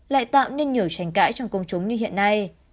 lại tạo nên nhiều tranh cãi trong công chúng như hiện nay